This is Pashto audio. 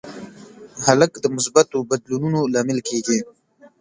هلک د مثبتو بدلونونو لامل کېږي.